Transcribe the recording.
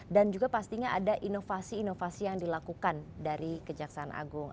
dan juga pastinya ada inovasi inovasi yang dilakukan dari kejaksaan agung